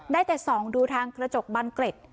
ได้แต่ส่องดูทางกระจกบันเกร็ด